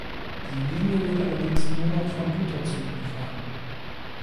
Die Linie wird allerdings nur noch von Güterzügen befahren.